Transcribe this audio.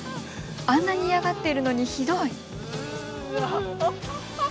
あんなに嫌がっているのにひどい。